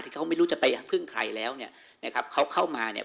เขาไม่รู้จะไปพึ่งใครแล้วเนี่ยนะครับเขาเข้ามาเนี่ย